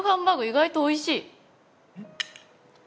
意外とおいしい。